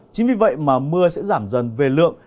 chính vì vậy mà mưa sẽ giảm dần về lượng